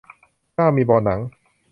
เก้ามีเบาะหนัง